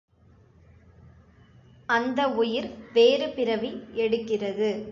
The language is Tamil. அந்த உயிர் வேறு பிறவி எடுக்கிறது.